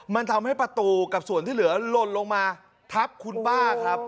มันทำให้ประตูกับส่วนที่เหลือหล่นลงมาทับคุณป้าครับ